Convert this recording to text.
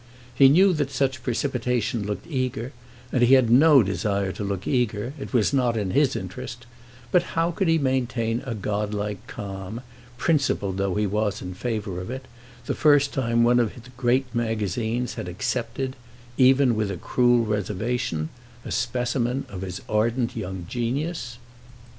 He knew that such precipitation looked eager, and he had no desire to look eager—it was not in his interest; but how could he maintain a godlike calm, principled though he was in favour of it, the first time one of the great magazines had accepted, even with a cruel reservation, a specimen of his ardent young genius?